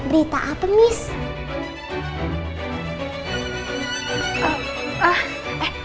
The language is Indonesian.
berita apa miss